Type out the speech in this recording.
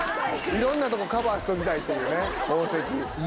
いろんなとこカバーしときたいっていうね。